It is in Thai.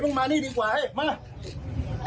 เออมานี่ดีกว่ามา